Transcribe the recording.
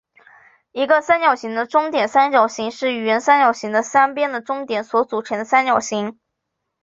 一个三角形的中点三角形是原三角形的三边的中点所组成的三角形。